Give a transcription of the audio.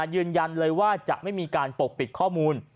ยืนยันเลยว่าจะไม่มีการปกปิดข้อมูล